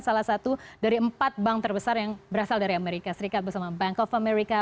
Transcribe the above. salah satu dari empat bank terbesar yang berasal dari amerika serikat bersama bank of america